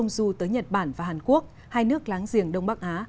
công du tới nhật bản và hàn quốc hai nước láng giềng đông bắc á